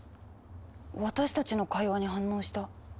私たちの会話に反応した。